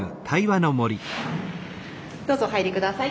どうぞお入り下さい。